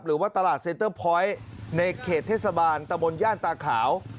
หรือว่าตลาดเซ็นเตอร์พอยต์ในเขตเทศบาลตะบนย่านตาขาว